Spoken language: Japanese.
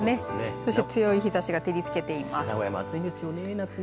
そして強い日ざしが照りつけています。